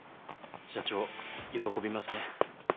社長喜びますね。